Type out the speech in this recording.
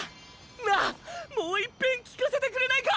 なあもういっぺんきかせてくれないか！